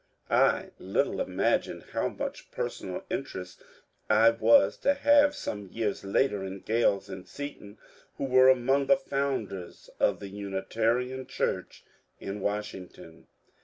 I little imagined how much personal interest I was to have some years later in Grales and Seaton, who were among the founders of the Unitarian church in Washington.